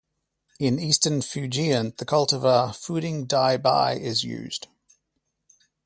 In eastern Fujian, the cultivar Fuding Dai Bai is used.